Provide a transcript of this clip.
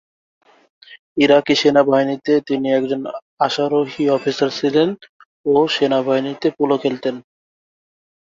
ইরাকি সেনাবাহিনীতে তিনি একজন অশ্বারোহী অফিসার ছিলেন ও সেনাবাহিনীতে পোলো খেলতেন।